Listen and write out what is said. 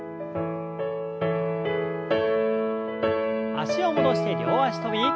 脚を戻して両脚跳び。